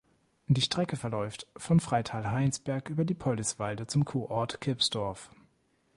Die Strecke verläuft von Freital-Hainsberg über Dippoldiswalde zum Kurort Kipsdorf.